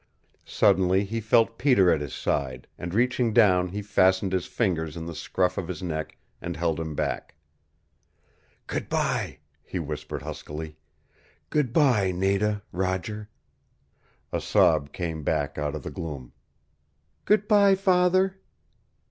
Suddenly he felt Peter at his side, and reaching down he fastened his fingers in the scruff of his neck, and held him back. "Good bye," he whispered huskily. "Good bye Nada Roger " A sob came back out of the gloom. "Good bye, father."